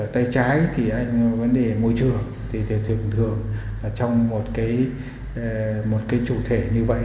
tay trái thì anh vấn đề môi trường thì thường thường trong một cái chủ thể như vậy